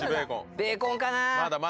ベーコンかな？